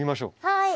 はい。